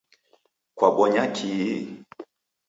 Kwabonya kii?